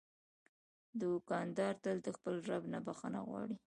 دوکاندار تل د خپل رب نه بخښنه غواړي.